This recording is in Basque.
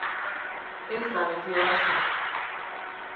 Ez da beti erraza!